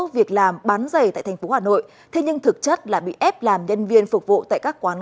việc làm bán giày tại thành phố hà nội thế nhưng thực chất là bị ép làm nhân viên phục vụ tại các quán